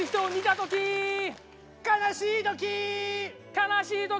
悲しい時。